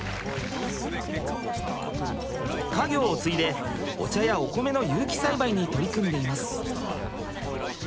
家業を継いでお茶やお米の有機栽培に取り組んでいます。